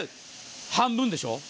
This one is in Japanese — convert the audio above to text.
半分でしょ？